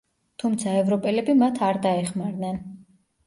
თუმცა ევროპელები მათ არ დაეხმარნენ.